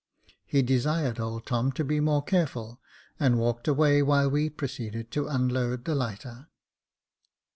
He desired old Tom to be more careful, and walked away, while we proceeded to unload the lighter.